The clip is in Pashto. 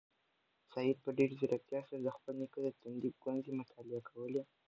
سعید په ډېرې ځیرکتیا سره د خپل نیکه د تندي ګونځې مطالعه کولې.